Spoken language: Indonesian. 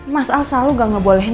mas al selalu gak ngebolehin